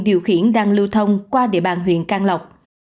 điều khiển đang lưu thông qua địa bàn huyện can lộc